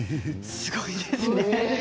すごいですね。